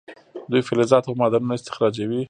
دوی فلزات او معدنونه استخراجوي.